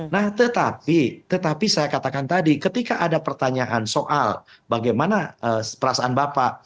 nah tetapi tetapi saya katakan tadi ketika ada pertanyaan soal bagaimana perasaan bapak